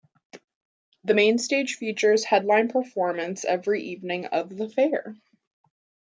The Main Stage features headline performance every evening of the fair.